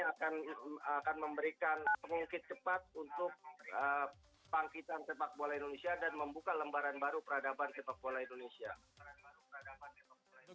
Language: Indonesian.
dan membuka lembaran baru peradaban sepak bola indonesia